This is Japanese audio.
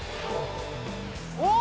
おっ！